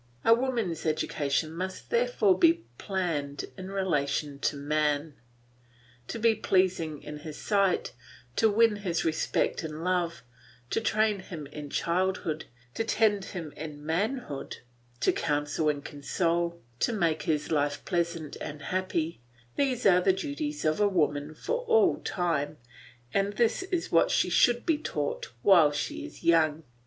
A woman's education must therefore be planned in relation to man. To be pleasing in his sight, to win his respect and love, to train him in childhood, to tend him in manhood, to counsel and console, to make his life pleasant and happy, these are the duties of woman for all time, and this is what she should be taught while she is young.